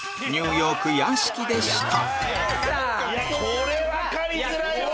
これ分かりづらいわ！